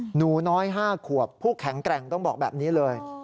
หนูน้อย๕ขวบผู้แข็งแกร่งต้องบอกแบบนี้เลย